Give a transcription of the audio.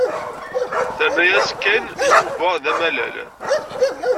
Terna-as Ken i Yuba d amalal.